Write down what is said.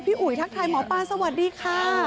อุ๋ยทักทายหมอปลาสวัสดีค่ะ